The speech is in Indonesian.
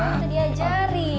kan udah diajari